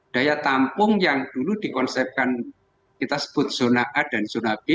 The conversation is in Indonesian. daya tampung yang dulu dikonsepkan kita sebut zona a dan zona b